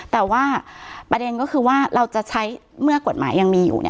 แต่ว่าประเด็นก็คือว่าเราจะใช้เมื่อกฎหมายยังมีอยู่